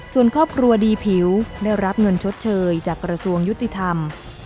ส่วนครอบครัวดีผิวได้รับเงินชดเชยจากกระทรวงยุติธรรม